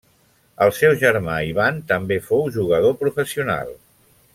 El seu germà Ivan també fou jugador professional.